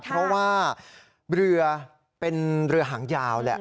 เพราะว่าเรือเป็นเรือหางยาวแหละ